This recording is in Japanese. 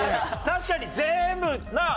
確かに全部なあ？